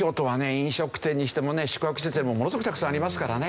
飲食店にしてもね宿泊施設でもものすごくたくさんありますからね。